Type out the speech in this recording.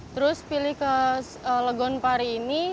terus pilih ke legon pari ini